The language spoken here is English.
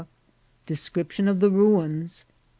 — Description of the Ruins.